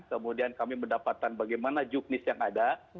kemudian kami mendapatkan bagaimana juknis yang ada